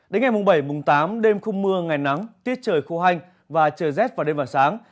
đến ngày mùng bảy mùng tám đêm không mưa ngày nắng tiết trời khô hanh và trời rét vào đêm và sáng